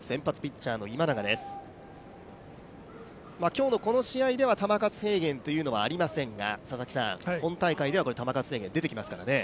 今日のこの試合では球数制限というのはありませんが本大会では球数制限出てきますからね。